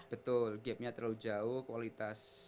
betul gapnya terlalu jauh kualitas